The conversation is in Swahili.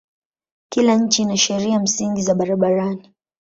Kila nchi ina sheria msingi za barabarani.